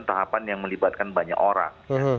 tahapan yang melibatkan banyak orang